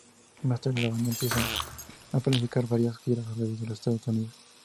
Más tarde, la banda empieza a planificar varias giras alrededor de los Estados Unidos.